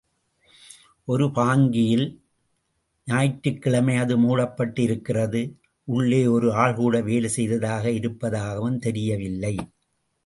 ஒரு பாங்கியில் ஞாயிற்றுக்கிழமை அது மூடப்பட்டு இருக்கிறது உள்ளே ஒரு ஆள்கூட வேலை செய்ததாக இருப்பதாகவும் தெரியவில்லை.